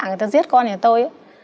người ta giết con nhà tôi